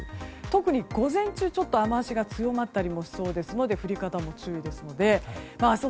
特に午前中雨脚が強まったりもしそうですので降り方も注意ですし明日